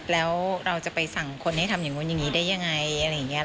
แล้วเราจะไปสั่งคนให้ทำอย่างนู้นอย่างนี้ได้ยังไงอะไรอย่างนี้